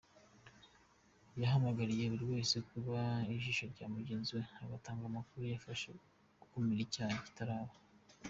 Yahamagariye buri wese kuba ijisho rya mugenzi we agatanga amakuru yafasha gukumira icyaha kitaraba.